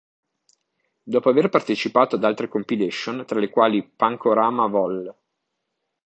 Dopo aver partecipato ad altre compilation, tra le quali "Punk-O-Rama Vol.